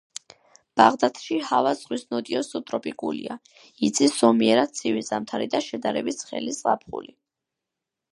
ბაღდათში ჰავა ზღვის ნოტიო სუბტროპიკულია, იცის ზომიერად ცივი ზამთარი და შედარებით ცხელი ზაფხული.